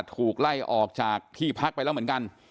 ถูกไล่ออกจากที่พักไปแล้วเหมือนกัน